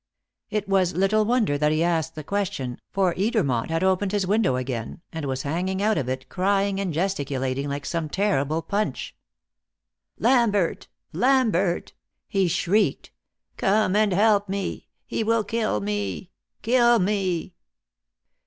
It was little wonder that he asked the question, for Edermont had opened his window again, and was hanging out of it crying and gesticulating like some terrible Punch. "Lambert! Lambert!" he shrieked. "Come and help me! He will kill me kill me!"